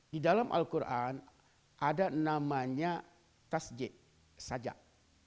di dalam al quran ada namanya tasjid sajak